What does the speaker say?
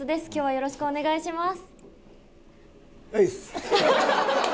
よろしくお願いします。